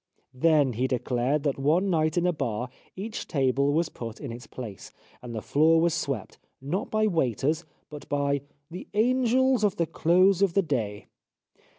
...' Then he declared that one night in a bar each table was put in its place, and the floor was swept, not by waiters, but by ' the angels of the close of the day.'